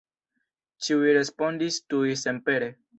Ĉiuj respondis tuj senpere.